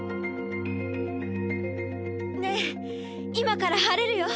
ねぇ、今から晴れるよ。